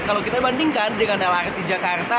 kalau kita bandingkan dengan lrt jakarta